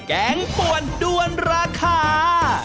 แกงป่วนด้วนราคา